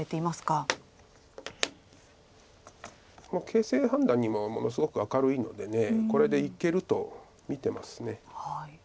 形勢判断にもものすごく明るいのでこれでいけると見てます。